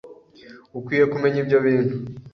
ukwiye kumenya ibyo bintu